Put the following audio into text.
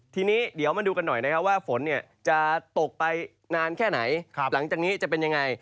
ทีนี้เดี๋ยวมาดูกันหน่อยนะครับว่าฝนจะตกไปนานแค่ไหนหลังจากนี้จะเป็นยังไง